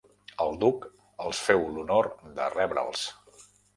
El duc els feu l'honor de rebre'ls.